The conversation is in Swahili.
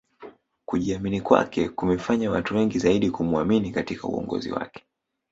kujiamini kwake kumefanya watu wengi wazidi kumuamini katika uongozi wake